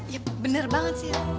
iya bener banget sil